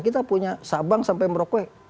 kita punya sabang sampai merauke